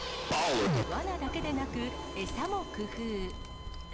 わなだけでなく、餌も工夫。